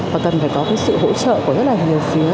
và cần phải có sự hỗ trợ của rất nhiều phía